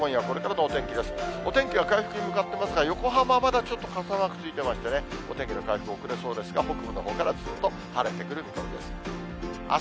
お天気は回復に向かってますが、横浜まだちょっと傘マークついてましてね、お天気の回復遅れそうですが、北部のほうからすっと晴れてくる見込みです。